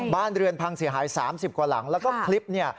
บ้านเรือนพังเสียหาย๓๐กว่าหลังแล้วก็คลิปเนี่ย